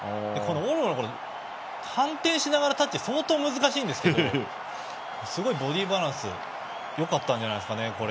オルモは反転しながらタッチは相当難しいんですけどすごいボディーバランスがよかったんじゃないですかね。